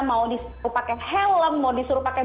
mau disuruh pakai helm mau disuruh pakai